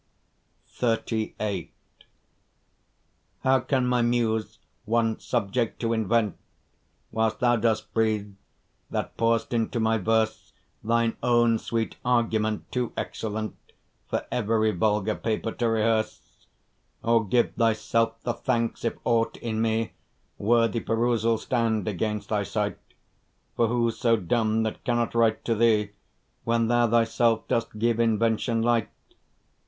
XXXVIII How can my muse want subject to invent, While thou dost breathe, that pour'st into my verse Thine own sweet argument, too excellent For every vulgar paper to rehearse? O! give thyself the thanks, if aught in me Worthy perusal stand against thy sight; For who's so dumb that cannot write to thee, When thou thyself dost give invention light?